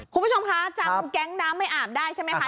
คุณผู้ชมคะจำแก๊งน้ำไม่อาบได้ใช่ไหมคะ